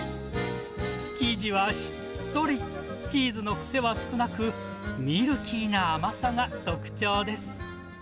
生地はしっとり、チーズの癖は少なく、ミルキーな甘さが特徴です。